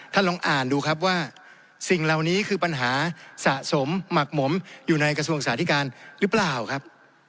ลองอ่านดูครับว่าสิ่งเหล่านี้คือปัญหาสะสมหมักหมมอยู่ในกระทรวงสาธิการหรือเปล่าครับ